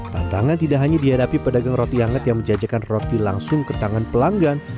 tantangan tidak hanya dihadapi pedagang roti hangat yang menjajakan roti langsung ke tangan pelanggan